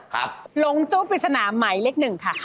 หลงจู้ปริศนาหมายเลข๑ค่ะ